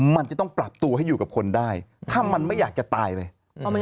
มันจะต้องปรับตัวให้อยู่กับคนได้ถ้ามันไม่อยากจะตายเลย